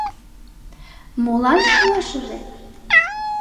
Молан шылашыже?